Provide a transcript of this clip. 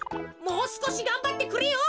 もうすこしがんばってくれよ。